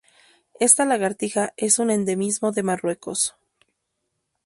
Esta lagartija es un endemismo de Marruecos.